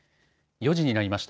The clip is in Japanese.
４時になりました。